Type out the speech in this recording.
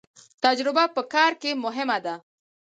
تجربه په کار کې مهمه ده